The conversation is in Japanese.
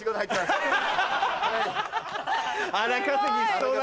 荒稼ぎしそうだ！